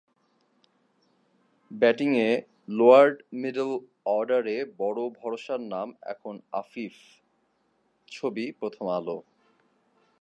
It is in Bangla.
ব্যাটিংয়ে লোয়ার্ড মিডল অর্ডারে বড় ভরসার নাম এখন আফিফ ছবি: প্রথম আলো